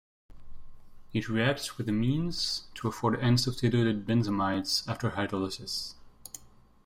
It reacts with amines to afford N-substituted benzamides after hydrolysis.